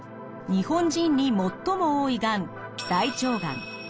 日本人に最も多いがん大腸がん。